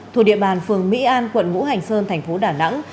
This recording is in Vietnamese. thuộc địa bàn phường mỹ an quận ngũ hành sơn tp đà nẵng